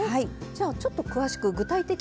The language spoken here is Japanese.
じゃちょっと詳しく具体的に。